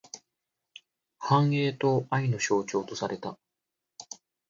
繁栄と愛の象徴とされた。